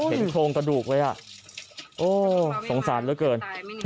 เห็นโทงกระดูกไว้อ่ะโอ้โหสงสารเหลือเกิน